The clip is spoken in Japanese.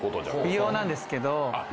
美容なんですけど。